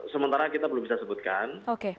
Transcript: sementara kita belum bisa sebutkan